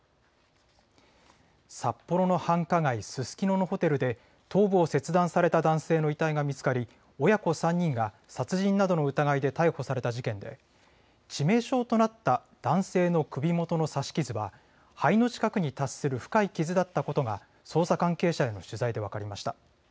札幌の繁華街、ススキノのホテルで、頭部を切断された男性の遺体が見つかり、親子３人が殺人などの疑いで逮捕された事件で、致命傷となった男性の首元の刺し傷は肺の近くに達する深い傷だったことが、捜査関係者への取材で分かりました。